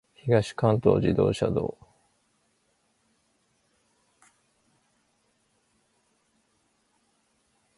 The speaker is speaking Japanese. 東関東自動車道